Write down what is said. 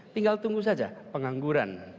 tinggal tunggu saja pengangguran